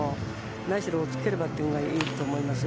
何しろ、おっつけるバッティングがいいと思いますよ